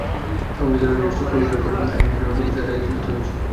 সংবিধান অনুযায়ী সুপ্রিম কোর্টের ওপর আইনের শাসন প্রতিষ্ঠার দায়িত্ব ন্যস্ত হয়েছে।